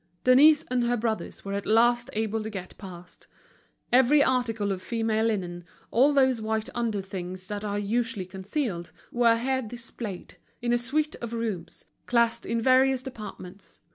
Denise and her brothers were at last able to get past. Every article of female linen, all those white under things that are usually concealed, were here displayed, in a suite of rooms, classed in various departments.